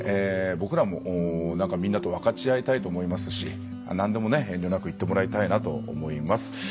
僕らもみんなと分かち合いたいと思いますし何でもね遠慮なく言ってもらいたいなと思います。